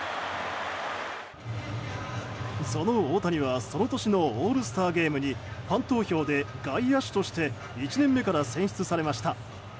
その大谷はその年のオールスターゲームにファン投票で外野手として１年目から選出されました。